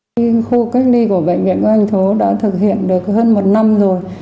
khi khu cách ly của bệnh viện công an hà nội đã thực hiện được hơn một năm rồi